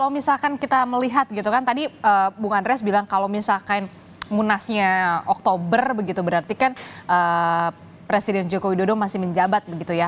kalau misalkan kita melihat gitu kan tadi bung andres bilang kalau misalkan munasnya oktober begitu berarti kan presiden joko widodo masih menjabat begitu ya